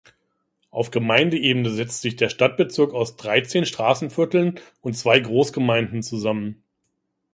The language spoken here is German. Auf Gemeindeebene setzt sich der Stadtbezirk aus dreizehn Straßenvierteln und zwei Großgemeinden zusammen.